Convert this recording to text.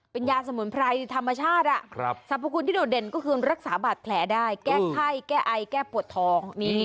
เป็นยาสมุนไพรธรรมชาติสรรพคุณที่โดดเด่นก็คือรักษาบาดแผลได้แก้ไข้แก้ไอแก้ปวดท้อง